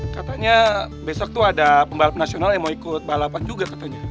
katanya besok tuh ada pembalap nasional yang mau ikut balapan juga katanya